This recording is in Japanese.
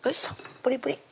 プリプリ